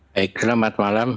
baik selamat malam